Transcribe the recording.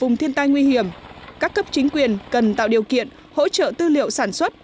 vùng thiên tai nguy hiểm các cấp chính quyền cần tạo điều kiện hỗ trợ tư liệu sản xuất